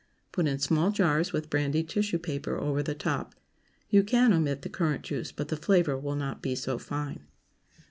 Put in small jars, with brandied tissue paper over the top. You can omit the currant juice, but the flavor will not be so fine.